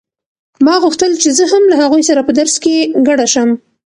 ما غوښتل چې زه هم له هغوی سره په درس کې ګډه شم.